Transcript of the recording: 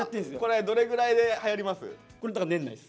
これどれぐらいで流行ります？